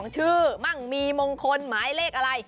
ชื่อมั่งมีมงคลหมายเลขอะไร